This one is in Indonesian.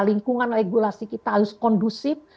lingkungan regulasi kita harus kondusif